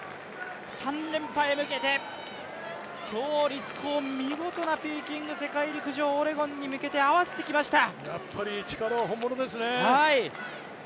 ３連覇へ向けて、鞏立コウ、見事なピーキング、世界陸上、オレゴンに向けて合わせてきました。